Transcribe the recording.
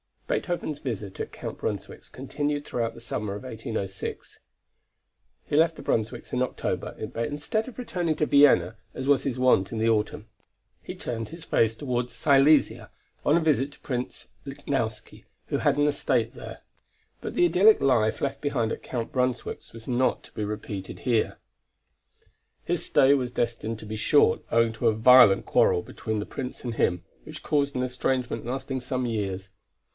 Beethoven's visit at Count Brunswick's continued throughout the summer of 1806. He left the Brunswicks in October, but instead of returning to Vienna as was his wont in the autumn, he turned his face toward Silesia, on a visit to Prince Lichnowsky who had an estate there. But the idyllic life left behind at Count Brunswick's was not to be repeated here. His stay was destined to be short owing to a violent quarrel between the Prince and him, which caused an estrangement lasting some years.